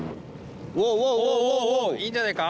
いいんじゃないか。